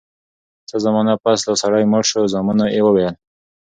څه زمانه پس دا سړی مړ شو زامنو ئي وويل: